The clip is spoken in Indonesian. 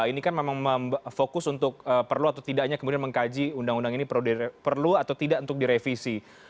ini kan memang fokus untuk perlu atau tidaknya kemudian mengkaji undang undang ini perlu atau tidak untuk direvisi